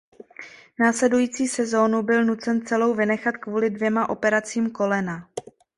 Následující sezónu byl nucen celou vynechat kvůli dvěma operacím kolena.